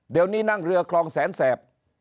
เดี๋ยวนี้นั่งเรือคลองแสนแสบ